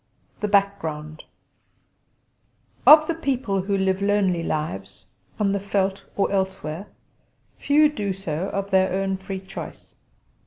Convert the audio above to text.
THE BACKGROUND Of the people who live lonely lives, on the veld or elsewhere, few do so of their own free choice.